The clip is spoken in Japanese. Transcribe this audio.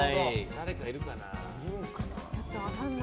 誰かいるかな？